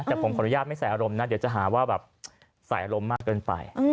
แต่ผมขออนุญาตไม่ใส่อารมณ์นะเดี๋ยวจะหาว่าแบบใส่อารมณ์มากเกินไป